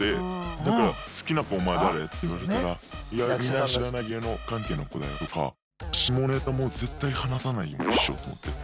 だから「好きな子お前誰？」って言われたら「いやみんな知らない芸能関係の子だよ」とか。下ネタも絶対話さないようにしようと思って。